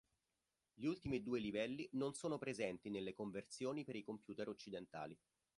Gli ultimi due livelli non sono presenti nelle conversioni per i computer occidentali.